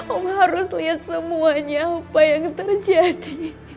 om harus liat semuanya apa yang terjadi